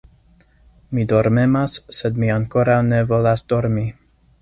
Mi dormemas, sed mi ankoraŭ ne volas dormi.